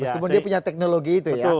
meskipun dia punya teknologi itu ya